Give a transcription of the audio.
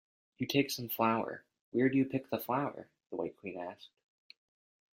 ‘You take some flour—’ ‘Where do you pick the flower?’ the White Queen asked.